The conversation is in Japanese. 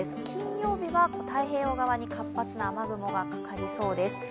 金曜日は太平洋側に活発な雨雲がかかりそうです。